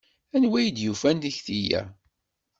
Anwa i d-yufan tikti-a?